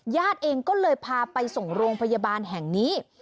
ญาติเองก็เลยพาไปส่งโรงพยาบาลแห่งนี้